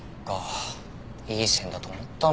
いい線だと思ったのに。